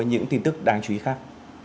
những tin tức đáng chú ý khác